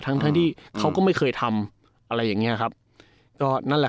ทั้งทั้งที่เขาก็ไม่เคยทำอะไรอย่างเงี้ยครับก็นั่นแหละ